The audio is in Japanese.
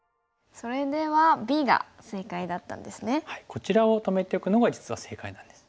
こちらを止めておくのが実は正解なんです。